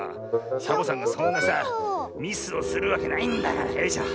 サボさんがそんなさミスをするわけないんだからよいしょ。